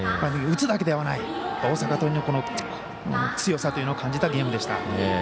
打つだけではない大阪桐蔭の強さというのを感じたゲームでした。